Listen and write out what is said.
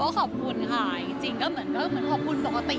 ขอบคุณค่ะจริงก็เหมือนก็เหมือนขอบคุณปกติ